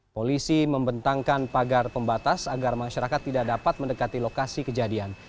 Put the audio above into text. polisi membentangkan pagar pembatas agar masyarakat tidak dapat mendekati lokasi kejadian